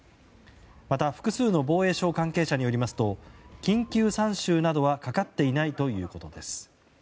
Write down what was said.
また、複数の防衛省関係者によりますと緊急参集などはかかっていないということです。